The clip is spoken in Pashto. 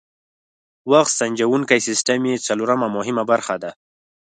وخت سنجوونکی سیسټم یې څلورمه مهمه برخه ده.